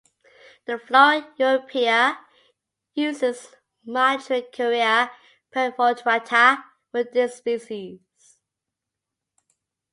The Flora Europaea uses "Matricaria perforata" for this species.